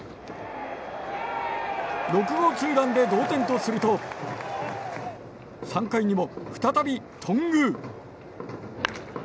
６号ツーランで同点とすると３回にも再び、頓宮。